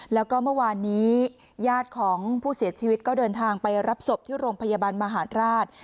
แล้วก็เมื่อวานนี้ญาติของผู้เสียชีวิตก็เดินทางไปรับศพที่โรงพยาบาลมหาราช